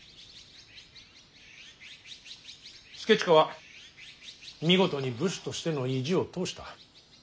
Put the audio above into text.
祐親は見事に武士としての意地を通した。